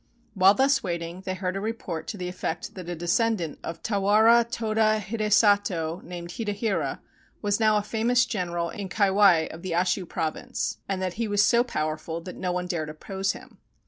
While thus waiting they heard a report to the effect that a descendant of Tawara Toda Hidesato named Hidehira was now a famous general in Kaiwai of the Ashu Province, and that he was so powerful that no one dared oppose him.